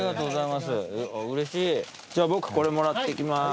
じゃ僕これもらって行きます。